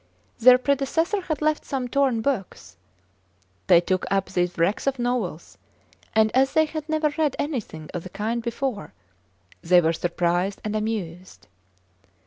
Their predecessor had left some torn books. They took up these wrecks of novels, and, as they had never read anything of the kind before, they were surprised and amused.